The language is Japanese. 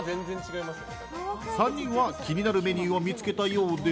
３人は気になるメニューを見つけたようで。